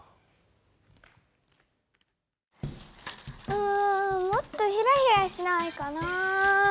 うんもっとヒラヒラしないかな。